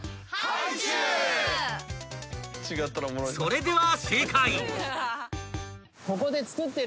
［それでは］